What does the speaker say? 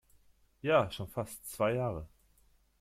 Ja, schon fast zwei Jahre.